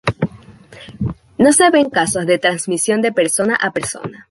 No se ven casos de transmisión de persona a persona.